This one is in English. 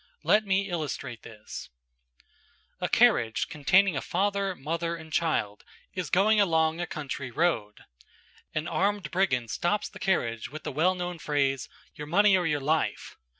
Let me illustrate this: A carriage containing a father, mother, and child, is going along a country road. An armed brigand stops the carriage with the well known phrase, "Your money or your life."